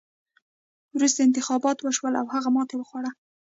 وروسته انتخابات وشول او هغه ماتې وخوړه.